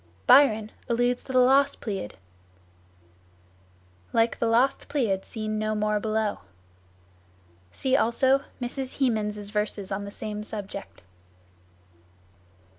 Byron alludes to the lost Pleiad: "Like the lost Pleiad seen no more below." See also Mrs. Hemans's verses on the same subject.